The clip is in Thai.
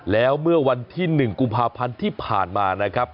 แล้ววันที่๑กุมพาพรรณที่ผ่านมานะครับ